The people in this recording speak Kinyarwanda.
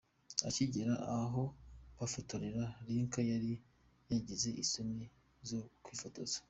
Akigera aho bafotorera Lynka yari yagize isoni zo kwifotoza.